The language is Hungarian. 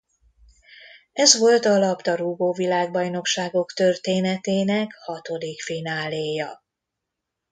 Ez volt a labdarúgó-világbajnokságok történetének hatodik fináléja.